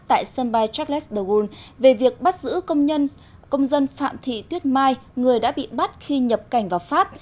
tại sân bay charles daegul về việc bắt giữ công dân phạm thị tuyết mai người đã bị bắt khi nhập cảnh vào pháp